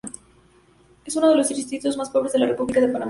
Es uno de los distritos más pobres de la República de Panamá.